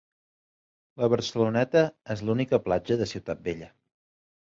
La Barceloneta és l'única platja de Ciutat Vella.